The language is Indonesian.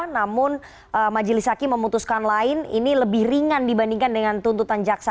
namun majelis hakim memutuskan lain ini lebih ringan dibandingkan dengan tuntutan jaksa